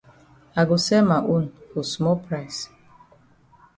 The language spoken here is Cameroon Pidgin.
I go sell ma own for small price.